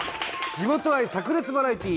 地元愛さく裂バラエティー！